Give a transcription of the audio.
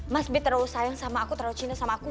mas bi terlalu sayang sama aku terlalu cinta sama aku